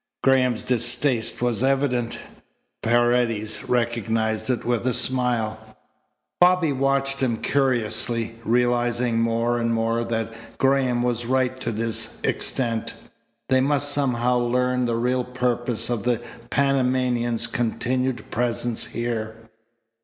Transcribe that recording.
Graham's distaste was evident. Paredes recognized it with a smile. Bobby watched him curiously, realizing more and more that Graham was right to this extent: they must somehow learn the real purpose of the Panamanian's continued presence here.